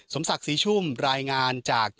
สมศักดิ์ศรีชุ่มรายงานจาก